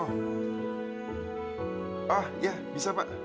oh ya bisa pak